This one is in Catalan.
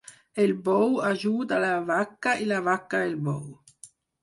El bou ajuda la vaca i la vaca el bou.